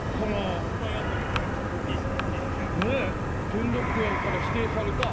兼六園から指定された。